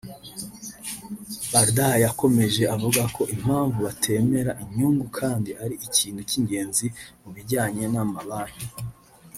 Bardai yakomeje avuga ko impamvu batemera inyungu kandi ari ikintu cy’ingenzi mu bijyanye n’amabanki